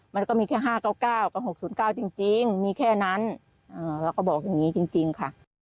มันก็มีแค่๕๙๙กับ๖๐๙จริงมีแค่นั้นเราก็บอกอย่างนี้จริงค่ะ